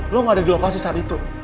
lu gak ada di lokasi saat itu